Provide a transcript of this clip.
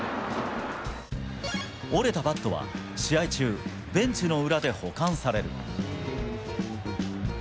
折れたバットは、試合中、ベンチの裏で保管される。